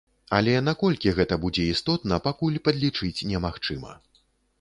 Але наколькі гэта будзе істотна, пакуль падлічыць немагчыма.